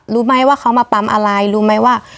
รู้ไหมว่าเขามาปั๊มอะไรรู้ไหมว่า